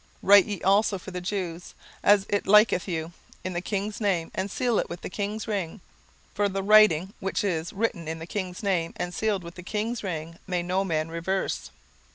17:008:008 Write ye also for the Jews, as it liketh you, in the king's name, and seal it with the king's ring: for the writing which is written in the king's name, and sealed with the king's ring, may no man reverse.